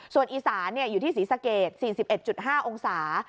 ส่วนอีสานอยู่ที่ศรีสะเกด๔๑๕องศา